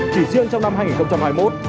chỉ riêng trong năm hai nghìn hai mươi một